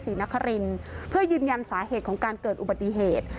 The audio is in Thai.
ศรีนครินเพื่อยืนยันสาเหตุของการเกิดอุบัติเหตุ